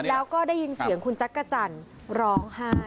แล้วก็ได้ยินเสียงคุณจักรจันทร์ร้องไห้